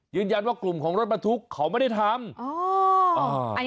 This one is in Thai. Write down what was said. ยืนยันว่ากลุ่มของรถบรรทุกเขาไม่ได้ทำ